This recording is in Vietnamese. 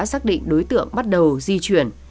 xác định đối tượng bắt đầu di chuyển